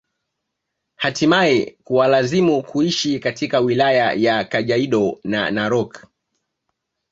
Htimae kuwalazimu kuishi katika wilaya ya Kajaido na Narok